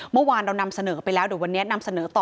เมื่อวานเรานำเสนอไปแล้วเดี๋ยววันนี้นำเสนอต่อ